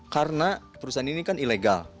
karena perusahaan ini kan ilegal